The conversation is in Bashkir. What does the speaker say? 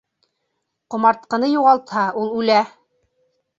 Ҡомартҡыны юғалтһа, ул үлә!